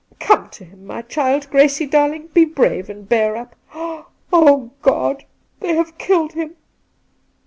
Come to him, my child. Gracie darling, be brave and bear up. Oh, God ! they have killed him